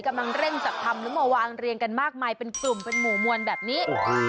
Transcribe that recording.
กำลังเร่งจัดทำแล้วมาวางเรียงกันมากมายเป็นกลุ่มเป็นหมู่มวลแบบนี้